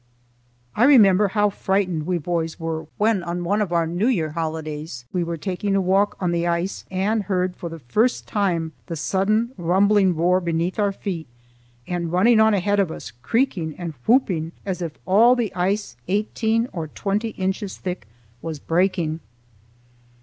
I remember how frightened we boys were when on one of our New Year holidays we were taking a walk on the ice and heard for the first time the sudden rumbling roar beneath our feet and running on ahead of us, creaking and whooping as if all the ice eighteen or twenty inches thick was breaking.